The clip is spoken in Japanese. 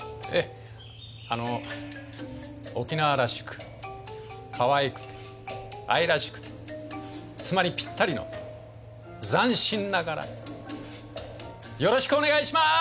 あの沖縄らしくかわいくて愛らしくて妻にぴったりの斬新な柄よろしくお願いします。